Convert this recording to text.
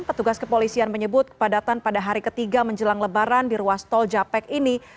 petugas kepolisian menyebut kepadatan pada hari ketiga menjelang lebaran di ruas tol japek ini